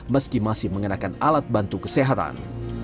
meski masih mengenakan alat bantu kesehatan